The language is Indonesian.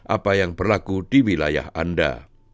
apa yang berlaku di wilayah anda